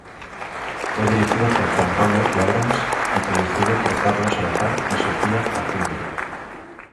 Fue dirigido por Juan Pablo Lawrence y producido por Carlos Salazar y Sofía Acuña.